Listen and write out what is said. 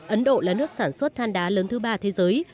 ấn độ là nước sản xuất than đá lớn thứ ba thế giới